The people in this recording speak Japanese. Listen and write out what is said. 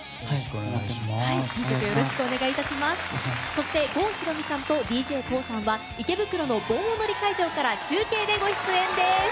そして郷ひろみさんとＤＪＫＯＯさんは池袋の盆踊り会場から中継でご出演です。